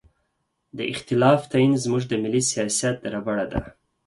د اختلاف تعین زموږ د ملي سیاست ربړه ده.